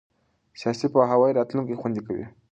سیاسي پوهاوی راتلونکی خوندي کوي